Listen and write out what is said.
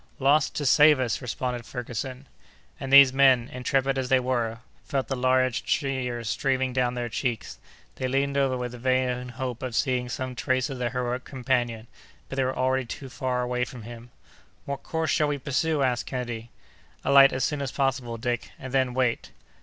"Lost to save us!" responded Ferguson. And these men, intrepid as they were, felt the large tears streaming down their cheeks. They leaned over with the vain hope of seeing some trace of their heroic companion, but they were already far away from him. "What course shall we pursue?" asked Kennedy. "Alight as soon as possible, Dick, and then wait."